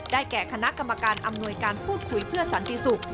แก่คณะกรรมการอำนวยการพูดคุยเพื่อสันติศุกร์